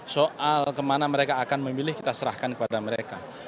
soal kemana mereka akan memilih kita serahkan kepada mereka